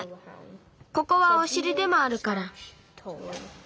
ここはおしりでもあるから。